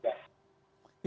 data historisnya menjadikan